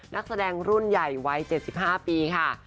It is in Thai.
นักแสดงรุ่นใหญ่วัย๗๕ปีค่ะ